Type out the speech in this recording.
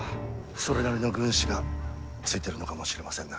それなりの軍師がついてるのかもしれませんな。